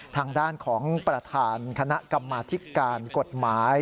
ทางด้านของประธานคณะกรรมาธิการกฎหมาย